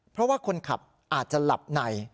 เพราะว่าคนขับอาจจะหลับใน